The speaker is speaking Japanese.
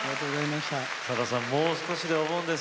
さださん、もう少しでお盆です。